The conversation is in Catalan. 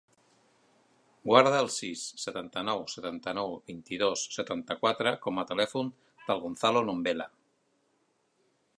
Guarda el sis, setanta-nou, setanta-nou, vint-i-dos, setanta-quatre com a telèfon del Gonzalo Nombela.